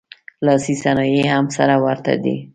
لاسي صنایع یې هم سره ورته دي